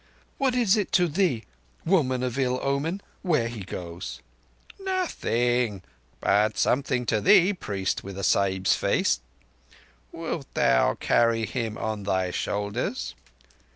"What is it to thee, woman of ill omen, where he goes?" "Nothing—but something to thee, priest with a Sahib's face. Wilt thou carry him on thy shoulders?"